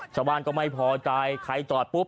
ชาวบ้านก็ไม่พอใจใครจอดปุ๊บ